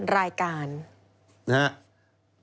รายการ